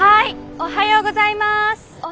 「おはようございます」。